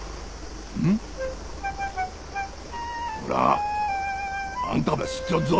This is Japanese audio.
おらあんたば知っちょっぞ。